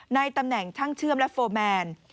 ในตำแหน่งช่างเชื่อมและโฟร์แมน